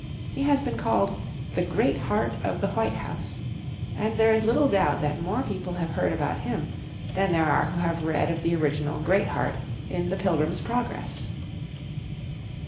He has been called "the Great Heart of the White House," and there is little doubt that more people have heard about him than there are who have read of the original "Great Heart" in "The Pilgrim's Progress."